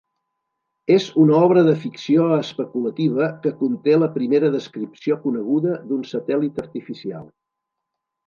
És una obra de ficció especulativa que conté la primera descripció coneguda d'un satèl·lit artificial.